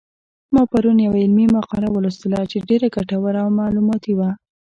ما پرون یوه علمي مقاله ولوستله چې ډېره ګټوره او معلوماتي وه